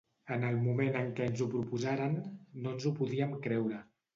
En el moment en què ens ho proposaren, no ens ho podíem creure.